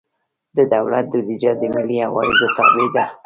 د دولت بودیجه د ملي عوایدو تابع ده.